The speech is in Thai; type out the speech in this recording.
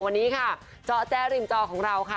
วันนี้ค่ะเจาะแจ้ริมจอของเราค่ะ